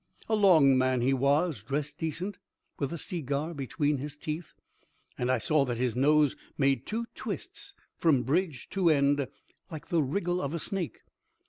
A long man he was, dressed decent, with a segar between his teeth, and I saw that his nose made two twists from bridge to end, like the wriggle of a snake.